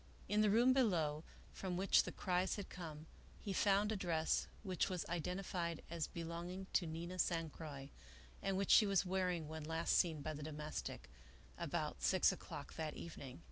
In the room below, from which the cries had come, he found a dress which was identified as belong ing to Nina San Croix and which she was wearing when last seen by the domestic, about six o'clock that evening.